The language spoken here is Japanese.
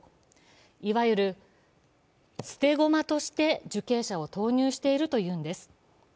いわゆる捨て駒として受刑者を投入しているということです。